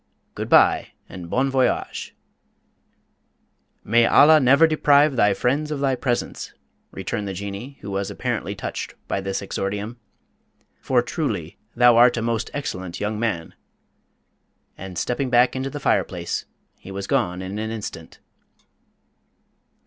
Good bye, and bon voyage!" "May Allah never deprive thy friends of thy presence!" returned the Jinnee, who was apparently touched by this exordium, "for truly thou art a most excellent young man!" And stepping back into the fireplace, he was gone in an instant.